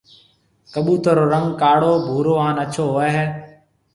ڪٻُوتر رو رنگ ڪاݪو، ڀورو هانَ اڇو هوئي هيَ۔